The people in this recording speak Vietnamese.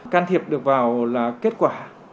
can thiệp được vào là kết quả